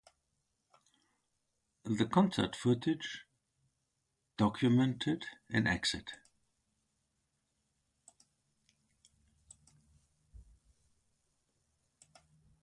The concert footage documented in Exit...